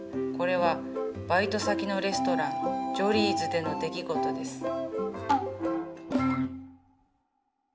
これはバイト先のレストランジョリーズでの出来事です。